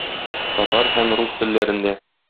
Татар һәм рус телләрендә.